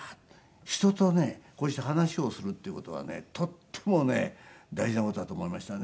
人とねこうして話をするっていう事はねとってもね大事な事だと思いましたね。